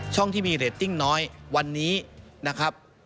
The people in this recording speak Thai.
ที่มีเรตติ้งน้อยวันนี้นะครับ